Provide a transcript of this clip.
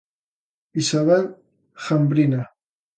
Isabel Jambrina.